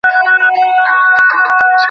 তাঁহার ভাল পোষাকের উপর ভারি ঝোঁক।